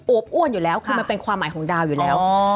วบอ้วนอยู่แล้วคือมันเป็นความหมายของดาวอยู่แล้ว